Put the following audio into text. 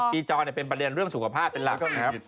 ปีจอเป็นประเด็นเรื่องสุขภาพเป็นรัก